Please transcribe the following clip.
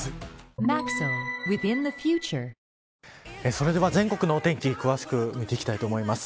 それでは、全国のお天気詳しく見ていきたいと思います。